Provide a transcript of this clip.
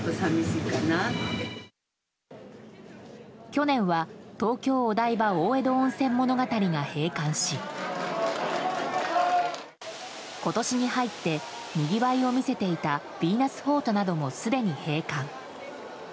去年は東京お台場大江戸温泉物語が閉館し今年に入ってにぎわいを見せていたヴィーナスフォートなどもすでに閉館。